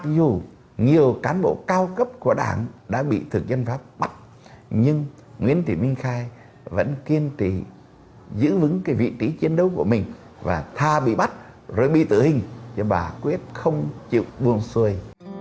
dù nhiều cán bộ cao cấp của đảng đã bị thực dân pháp bắt nhưng nguyễn thị minh khai vẫn kiên trì giữ vững cái vị trí chiến đấu của mình và tha bị bắt rồi bị tử hình cho bà quyết không chịu buồn xuôi